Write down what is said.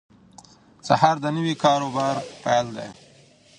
سهار د نوي کار او بار پیل دی.